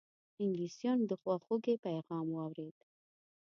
انګلیسیانو د خواخوږی پیغام واورېد.